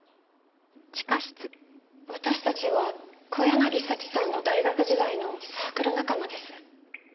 私たちは小柳早智さんの大学時代のサークル仲間です。